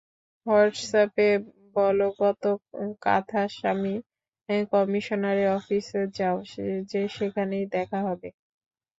হোয়াটসঅ্যাপে বল গত কাঁথাস্বামী, কমিশনারের অফিসে যাও, সেখানেই দেখা হবে।